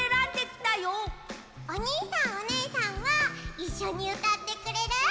おにいさんおねえさんはいっしょにうたってくれる？